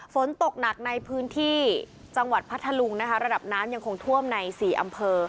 ฝนตกหนักในพื้นที่จังหวัดพัทธลุงนะคะระดับน้ำยังคงท่วมใน๔อำเภอ